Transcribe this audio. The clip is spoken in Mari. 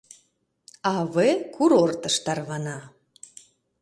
А.В. курортыш тарвана.